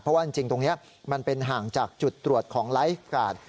เพราะว่าจริงตรงนี้มันเป็นห่างจากจุดตรวจของไลฟ์การ์ด